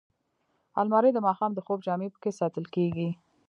الماري د ماښام د خوب جامې پکې ساتل کېږي